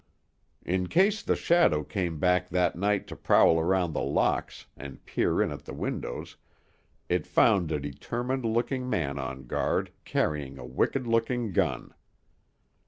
In case the shadow came back that night to prowl around The Locks, and peer in at the windows, it found a determined looking man on guard, carrying a wicked looking gun.